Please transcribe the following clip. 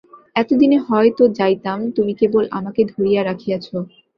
এত দিনে হয় তো যাইতাম, তুমি কেবল আমাকে ধরিয়া রাখিয়াছ।